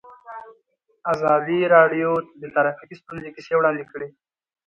ازادي راډیو د ټرافیکي ستونزې کیسې وړاندې کړي.